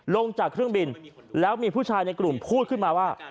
ลงจากเครื่องบินแล้วมีผู้ชายในกลุ่มพูดขึ้นมาว่า